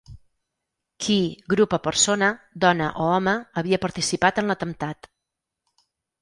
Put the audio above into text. Qui, grup o persona, dona o home, havia participat en l’atemptat.